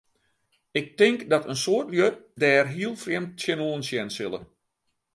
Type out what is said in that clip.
Ik tink dat in soad lju dêr heel frjemd tsjinoan sjen sille.